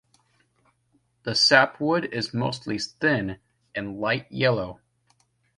The sapwood is mostly thin and light yellow.